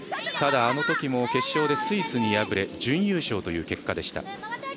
ただ、あのときも決勝でスイスに敗れ準優勝という結果でした。